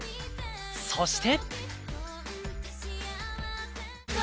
そして。